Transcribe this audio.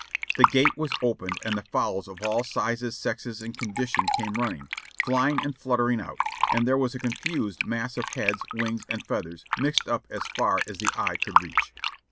"The gate was opened and the fowls of all sizes, sexes and con dition came running, flying and fluttering out, and there was a confused mass of heads, wings and feathers mixed up as far as the eye could reach.